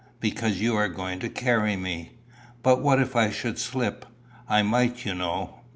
"Because you are going to carry me." "But what if I should slip? I might, you know."